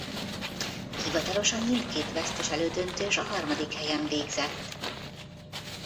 Hivatalosan mindkét vesztes elődöntős a harmadik helyen végzett.